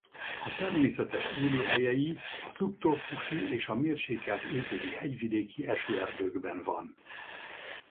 A természetes élőhelyei a szubtrópusi és a mérsékelt égövi hegyvidéki esőerdőkben van.